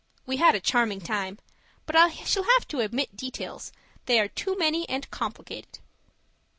We had a charming time but I shall have to omit details; they are too many and complicated.